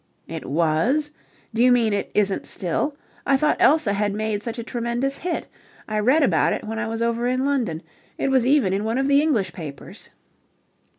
"It was? Do you mean it isn't still? I thought Elsa had made such a tremendous hit. I read about it when I was over in London. It was even in one of the English papers."